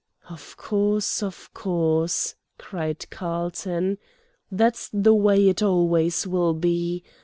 "Of course, of course!" cried Carlton. "That's the way it always will be.